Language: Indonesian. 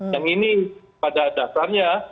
yang ini pada dasarnya